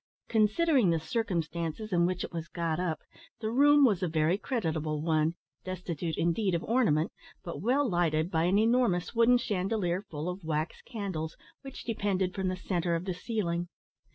Considering the circumstances in which it was got up, the room was a very creditable one, destitute, indeed, of ornament, but well lighted by an enormous wooden chandelier, full of wax candles, which depended from the centre of the ceiling.